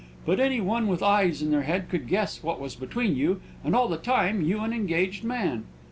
But any one with eyes in their head could guess what was between you, and all the time you an engaged man!"